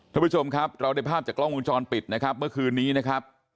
ท่านผู้ชมครับเราได้ภาพจากกล้องวงจรปิดนะครับเมื่อคืนนี้นะครับ